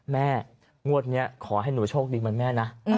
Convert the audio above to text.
แม่งวดนี้ขอให้หนูโชคดีเหมือนแม่นะ